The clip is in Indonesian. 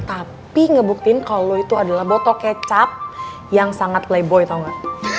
tapi ngebuktiin kalo lo itu adalah botol kecap yang sangat playboy tau gak